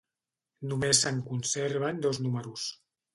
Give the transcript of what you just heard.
Només se'n conserven dos números.